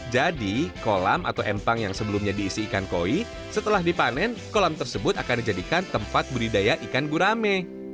jadi kolam atau empang yang sebelumnya diisi ikan koi setelah dipanen kolam tersebut akan dijadikan tempat budidaya ikan gurame